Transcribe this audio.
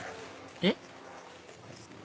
えっ？